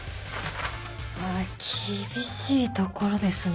厳しいところですね。